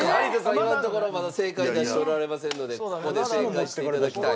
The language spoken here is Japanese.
今のところまだ正解出しておられませんのでここで正解して頂きたい。